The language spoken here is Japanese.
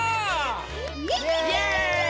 イエイ！